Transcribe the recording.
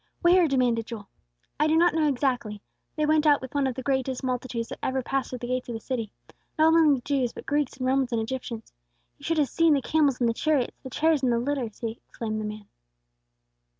"Where?" demanded Joel. "I do not know exactly. They went out with one of the greatest multitudes that ever passed through the gates of the city. Not only Jews, but Greeks and Romans and Egyptians. You should have seen the camels and the chariots, the chairs and the litters!" exclaimed the man.